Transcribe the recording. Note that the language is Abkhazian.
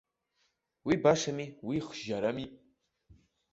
Уи башами, уи хжьарами.